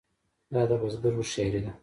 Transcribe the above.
دا د بزګر هوښیاري ده.